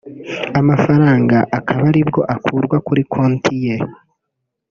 amafaranga akaba aribwo akurwa kuri konti ye